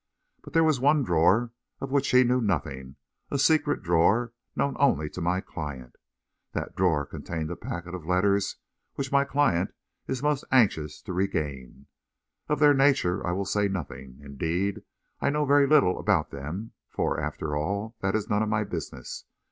But there was one drawer of which he knew nothing a secret drawer, known only to my client. That drawer contained a packet of letters which my client is most anxious to regain. Of their nature, I will say nothing indeed, I know very little about them, for, after all, that is none of my business.